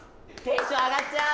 テンション上がっちゃう！